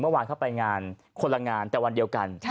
เมื่อวานเข้าไปงานคนละงานแต่วันเดียวกัน